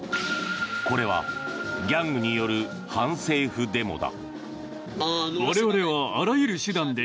これはギャングによる反政府デモだ。